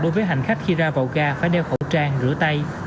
đối với hành khách khi ra vào ga phải đeo khẩu trang rửa tay